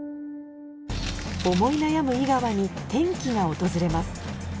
思い悩む井川に転機が訪れます